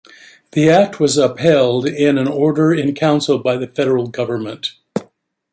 The act was upheld in an Order in Council by the federal government.